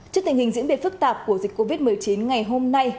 trước tình hình diễn biến phức tạp của dịch covid một mươi chín ngày hôm nay